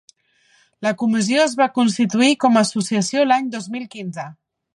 La Comissió es va constituir com associació l'any dos mil quinze.